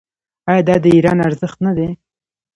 آیا دا د ایران ارزښت نه دی؟